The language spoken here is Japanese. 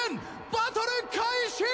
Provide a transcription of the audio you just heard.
バトル開始！